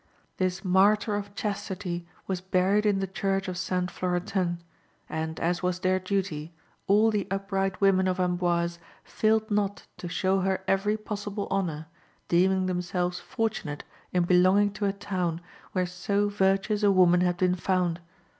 This martyr of chastity was buried in the Church of St. Florentin, and, as was their duty, all the upright women of Amboise failed not to show her every possible honour, deeming themselves fortunate in belonging to a town where so virtuous a woman had been found.